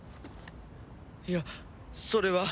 いやそれは。